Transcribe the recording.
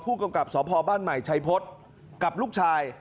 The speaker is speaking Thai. ผู้กำกับสอบภอบ้านใหม่ชัยพศกับลูกชาย